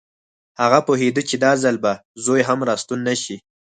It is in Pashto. هغه پوهېده چې دا ځل به زوی هم راستون نه شي